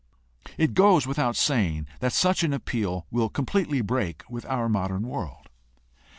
It goes without saying that such an appeal will com pletely break with our modern world.